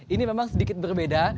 ini memang sedikit berbeda